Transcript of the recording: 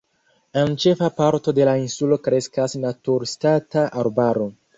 En ĉefa parto de la insulo kreskas naturstata arbaro.